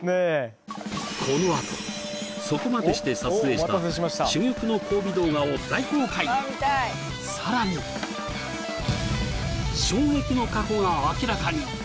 このあとそこまでして撮影した珠玉の交尾動画を大公開さらに衝撃の過去が明らかにえ！